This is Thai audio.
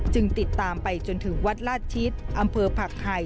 ติดตามไปจนถึงวัดลาดชิดอำเภอผักไห่